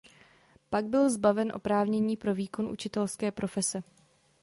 Pak byl zbaven oprávnění pro výkon učitelské profese.